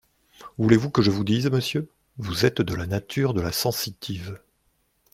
Voulez-vous que je vous dise, monsieur… vous êtes de la nature de la sensitive !